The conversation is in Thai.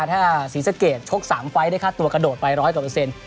ถ้าศรีสะเกดชก๓ไฟล์ได้ค่าตัวกระโดดไปร้อยกว่าเปอร์เซ็นต์